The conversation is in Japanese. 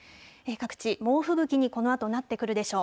各地、猛吹雪にこのあとなってくるでしょう。